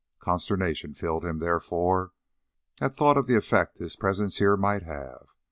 Consternation filled him, therefore, at thought of the effect his presence here might have.